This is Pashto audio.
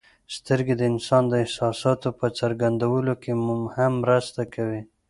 سترګې د انسان د احساساتو په څرګندولو کې هم مرسته کوي.